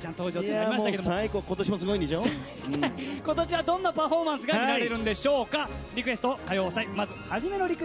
今年は、どんなパフォーマンスが見られるんでしょうか。